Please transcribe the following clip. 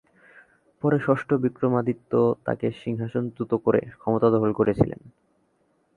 পরে ষষ্ঠ বিক্রমাদিত্য তাঁকে সিংহাসনচ্যুত করে ক্ষমতা দখল করেছিলেন।